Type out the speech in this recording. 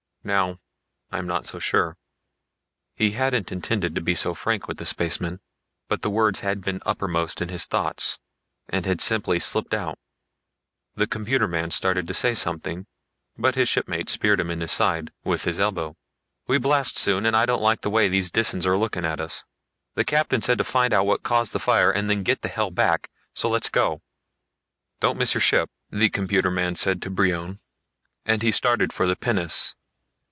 Now ... I'm not so sure." He hadn't intended to be so frank with the spacemen, but the words had been uppermost in his thoughts and had simply slipped out. The computer man started to say something, but his shipmate speared him in the side with his elbow. "We blast soon and I don't like the way these Disans are looking at us. The captain said to find out what caused the fire, then get the hell back. So let's go." "Don't miss your ship," the computer man said to Brion, and he started for the pinnace.